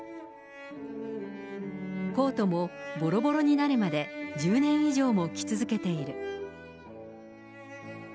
コートもぼろぼろになるまで、１０年以上も着続けている。